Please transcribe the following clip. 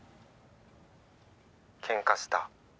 けんかした？